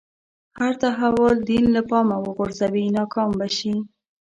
هر تحول دین له پامه وغورځوي ناکام به شي.